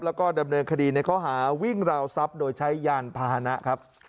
แล้วก็ดำเนินคดีในข้อหาวิ่งราวทรัพย์โดยใช้ยานพาหนะครับ